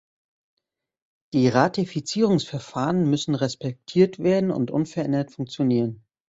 Die Ratifizierungsverfahren müssen respektiert werden und unverändert funktionieren.